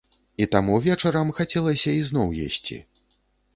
І таму вечарам хацелася ізноў есці.